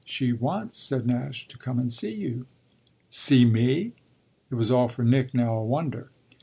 She wants," said Nash, "to come and see you." "'See' me?" It was all for Nick now a wonder.